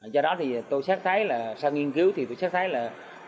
do đó thì tôi xác thấy là sau nghiên cứu thì tôi xác thấy là